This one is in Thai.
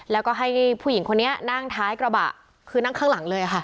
แล้วก็ให้ผู้หญิงคนนี้นั่งท้ายกระบะคือนั่งข้างหลังเลยค่ะ